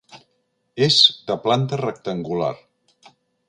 És de planta rectangular.